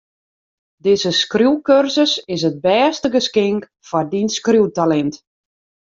Dizze skriuwkursus is it bêste geskink foar dyn skriuwtalint.